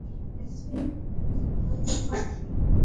কেনজি কি পেঙ্গুইনের হয়ে পার্টটাইম কাজ করে?